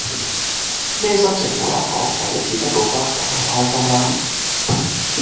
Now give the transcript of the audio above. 咩心情好難講，第一次收花梗係開心啦